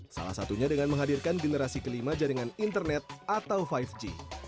salah satunya dengan menghadirkan generasi kelima jaringan internet atau lima g